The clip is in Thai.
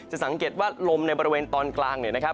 สังเกตว่าลมในบริเวณตอนกลางเนี่ยนะครับ